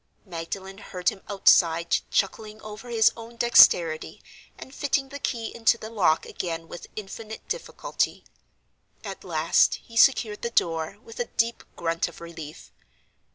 Magdalen heard him outside chuckling over his own dexterity, and fitting the key into the lock again with infinite difficulty. At last he secured the door, with a deep grunt of relief.